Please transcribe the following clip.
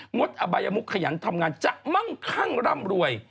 ดอบายมุกขยันทำงานจะมั่งคั่งร่ำรวย